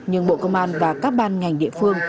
nhưng bộ công an và các ban ngành địa phương